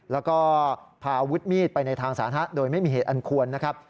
แล้วก็พาอาวุธมีดไปในทางสาธารณะโดยไม่มีเหตุอันควรนะครับ